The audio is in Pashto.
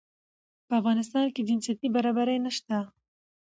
په افغانستان کې جنسيتي برابري نشته